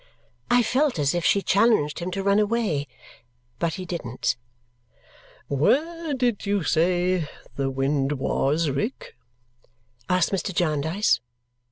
I felt as if she challenged him to run away. But he didn't. "Where did you say the wind was, Rick?" asked Mr. Jarndyce.